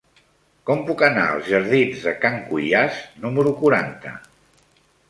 Com puc anar als jardins de Can Cuiàs número quaranta?